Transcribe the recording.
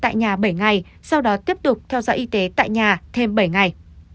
sau đó cách ly tại nhà bảy ngày sau đó tiếp tục theo dõi y tế tại nhà thêm bảy ngày